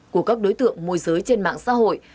của các đối tượng môi giới trên mạng xã hội